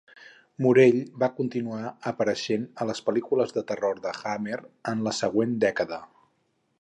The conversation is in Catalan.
Morell va continuar apareixent a les pel·lícules de terror de Hammer en la següent dècada.